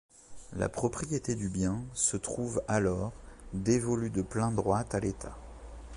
La propriété du bien se trouve alors dévolue de plein droit à l'État.